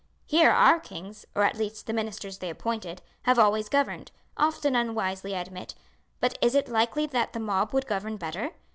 Here our kings, or at least the ministers they appointed, have always governed; often unwisely I admit, but is it likely that the mob would govern better?